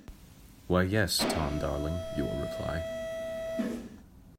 'Why, yes, Tom, darling,' you will reply.